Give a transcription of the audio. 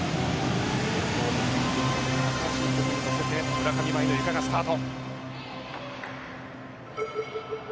村上茉愛のゆか、スタート。